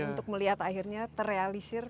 untuk melihat akhirnya terrealisir